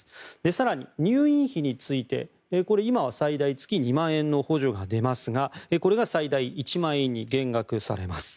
更に、入院費についてこれ、今は最大月２万円の補助が出ますがこれが最大１万円に減額されます。